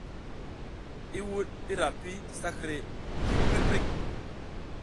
I wuɗ i ra pi sakre tim prik prik.